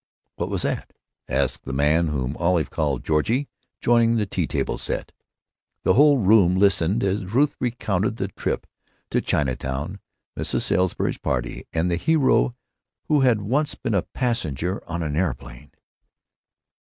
"What was that?" asked the man whom Olive called "Georgie," joining the tea table set. The whole room listened as Ruth recounted the trip to Chinatown, Mrs. Salisbury's party, and the hero who had once been a passenger in an aeroplane.